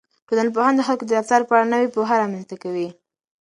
ټولنپوهنه د خلکو د رفتار په اړه نوې پوهه رامنځته کوي.